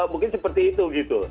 mungkin seperti itu